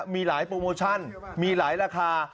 มีหลายโปรโมชั่นมีหลายราคา